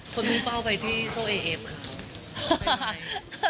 คุณพูดเปล่าไปที่โซ่เอเอฟค่ะ